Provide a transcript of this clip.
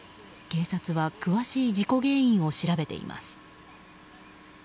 警察は詳しい事故原因を調べています。